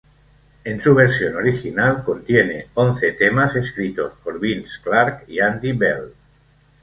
En su versión original contiene once temas escritos por Vince Clarke y Andy Bell.